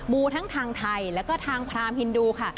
ูทั้งทางไทยแล้วก็ทางพรามฮินดูค่ะ